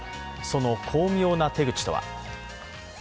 その巧妙な手口とは。